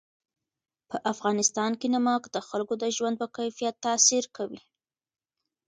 په افغانستان کې نمک د خلکو د ژوند په کیفیت تاثیر کوي.